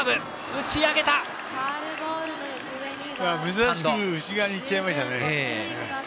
珍しく内側にいっちゃいましたね。